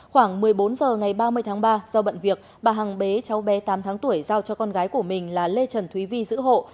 khoảng một mươi bốn h ngày ba mươi tháng ba do bận việc bà hằng bế cháu bé tám tháng tuổi giao cho con gái của mình là lê trần thúy vi giữ hộ